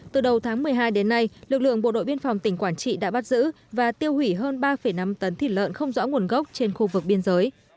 quảng trị đã bắt giữ và tiêu hủy hơn ba năm tấn thịt lợn không rõ nguồn gốc trên khu vực biên giới